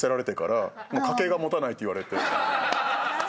家計が持たないって言われて。